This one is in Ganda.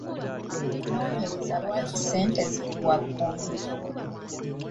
Noonyereza lwaki ssente ziri waggulu.